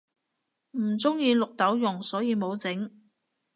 唔鍾意綠豆蓉所以無整